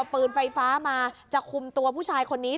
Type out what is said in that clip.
ปืนไฟฟ้ามาจะคุมตัวผู้ชายคนนี้